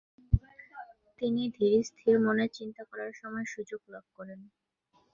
তিনি ধীরস্থির মনে চিন্তা করার সময় সুযোগ লাভ করেন।